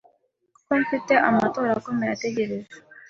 kuko mfite amatora akomeye ategereje